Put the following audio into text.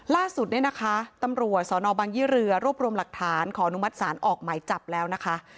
ล่าสุดเนี่ยนะคะตำรวจสนบังยี่เรือรวบรวมหลักฐานขออนุมัติศาลออกหมายจับแล้วนะคะ